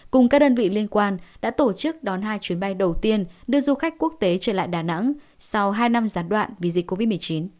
cùng các đơn vị liên quan đã tổ chức đón hai chuyến bay đầu tiên đưa du khách quốc tế trở lại đà nẵng sau hai năm gián đoạn vì dịch covid một mươi chín